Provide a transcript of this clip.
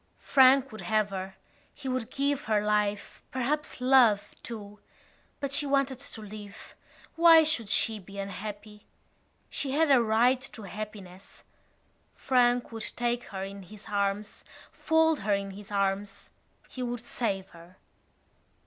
Frank would save her. He would give her life, perhaps love, too. But she wanted to live. Why should she be unhappy? She had a right to happiness. Frank would take her in his arms, fold her in his arms. He would save her.